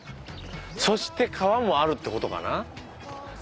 そして川もあるって事かな？